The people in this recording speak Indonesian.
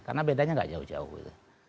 karena bedanya nggak jauh jauh gitu